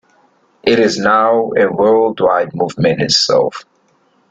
It is now a world wide movement itself.